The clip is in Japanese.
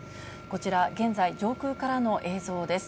こちら、現在、上空からの映像です。